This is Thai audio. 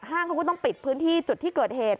ห้างเขาก็ต้องปิดพื้นที่จุดที่เกิดเหตุ